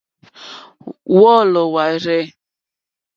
Wɔ́ɔ́lɔ̀ wâ rzɛ̂.